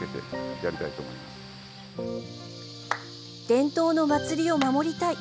伝統の祭りを守りたい。